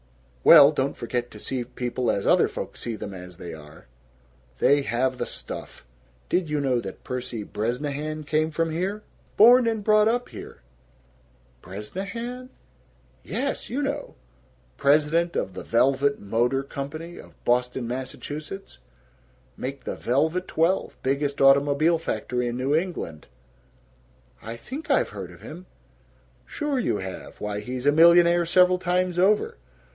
"Well, don't forget to see people as other folks see them as they are! They have the stuff. Did you know that Percy Bresnahan came from here? Born and brought up here!" "Bresnahan?" "Yes you know president of the Velvet Motor Company of Boston, Mass. make the Velvet Twelve biggest automobile factory in New England." "I think I've heard of him." "Sure you have. Why, he's a millionaire several times over!